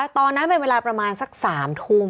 ตอนนั้นเป็นเวลาประมาณสัก๓ทุ่ม